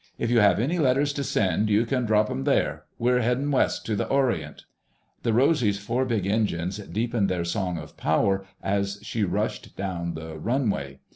If you have any letters to send you can drop them there. We're heading west to the Orient." The Rosy's four big engines deepened their song of power as she rushed down the runway.